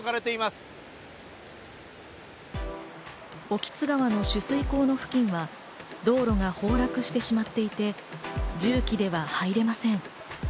興津川の取水口の付近は道路が崩落してしまっていて、重機では入れません。